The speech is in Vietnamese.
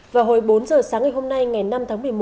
vào hồi bốn giờ sáng ngày hôm nay ngày năm tháng một mươi một